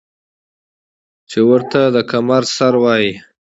چې ورته د کمر سر وايي ـ